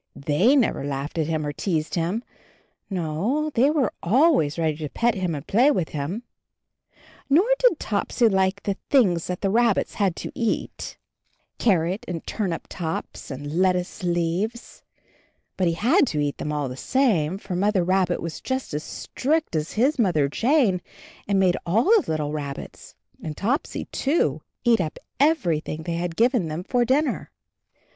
Thejj never laughed at him or teased him, no, they were always ready to pet him and play with him. Nor did Topsy like the things that the rabbits had to eat — carrot and turnip tops 18 CHARLIE and lettuce leaves; but he had to eat them all the same, for Mother Rabbit was just as strict as his Mother Jane and made all the little rabbits, and Topsy too, eat up every thing they had given them for dinner.